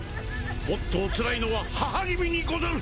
もっとおつらいのは母君にござる！